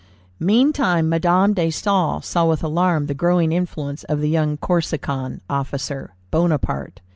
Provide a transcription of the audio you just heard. Meantime Madame de Staël saw with alarm the growing influence of the young Corsican officer, Bonaparte.